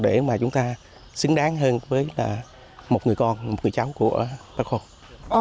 để mà chúng ta xứng đáng hơn với một người con một người cháu của bác hồ